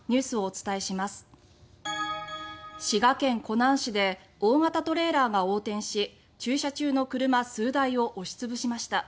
滋賀県湖南市で大型トレーラーが横転し駐車中の車数台を押しつぶしました。